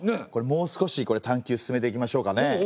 もう少し探究進めていきましょうかね。